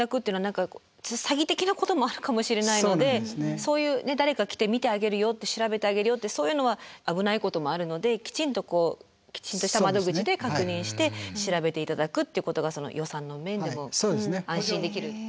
そういう誰か来て見てあげるよって調べてあげるよってそういうのは危ないこともあるのできちんとこうきちんとした窓口で確認して調べて頂くってことが予算の面でも安心できる。